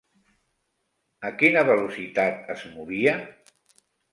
A quina velocitat es movia?